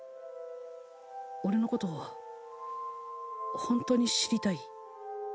俺のことホントに知りたい？